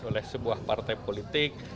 oleh sebuah partai politik